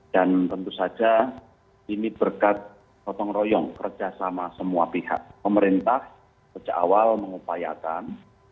dan tentu saja ini berkat potong royong kerjasama semua pihak pemerintah sejak awal mengupayakan